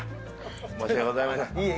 申し訳ございません。